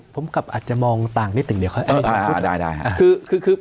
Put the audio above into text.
ผมกับอาจจะมองต่างนิดหนึ่งเดี๋ยวเขาอาจจะพูด